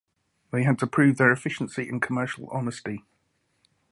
They had to prove their efficiency and commercial honesty.